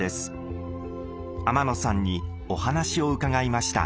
天野さんにお話を伺いました。